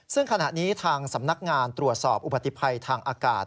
ซึ่งขณะนี้ทางสำนักงานตรวจสอบอุบัติภัยทางอากาศ